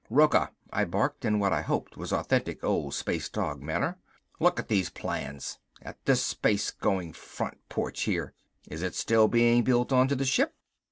"Rocca!" I barked, in what I hoped was authentic old space dog manner. "Look at these plans, at this space going front porch here. Is it still being built onto the ship?"